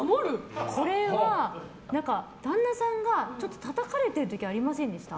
これは、旦那さんがちょっとたたかれてる時ありませんでした。